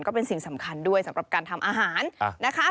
ก็เป็นสิ่งสำคัญด้วยสำหรับการทำอาหารนะคะ